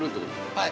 ◆はい。